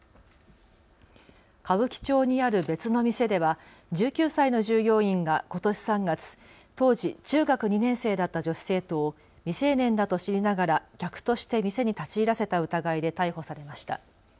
歌舞伎町にある別の店では１９歳の従業員がことし３月、当時、中学２年生だった女子生徒を未成年だと知りながら客として店に立ち入らせた疑いで逮捕されました。